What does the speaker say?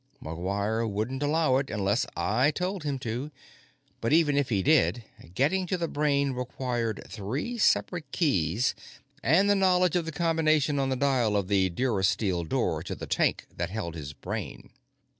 McGuire wouldn't allow it unless I told him to, but even if he did, getting to the brain required three separate keys and the knowledge of the combination on the dial of the durasteel door to the tank that held his brain.